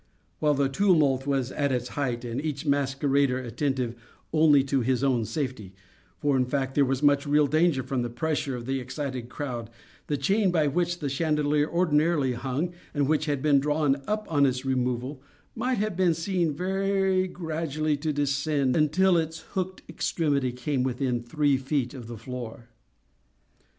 While the tumult was at its height, and each masquerader attentive only to his own safety (for, in fact, there was much real danger from the pressure of the excited crowd), the chain by which the chandelier ordinarily hung, and which had been drawn up on its removal, might have been seen very gradually to descend, until its hooked extremity came within three feet of the floor.